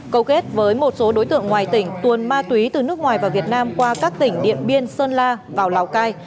câu kết với một số đối tượng ngoài tỉnh tuồn ma túy từ nước ngoài và việt nam qua các tỉnh điện biên sơn la vào lào cai